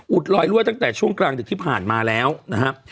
ลอยรั่วตั้งแต่ช่วงกลางดึกที่ผ่านมาแล้วนะครับ